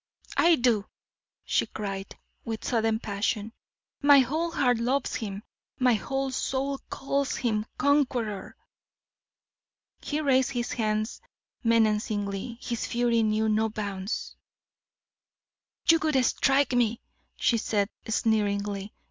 "I do!" she cried, with sudden passion, "my whole heart loves him, my whole soul calls him conqueror!" He raised his hands menacingly, his fury knew no bounds. "You would strike me!" she said, sneeringly.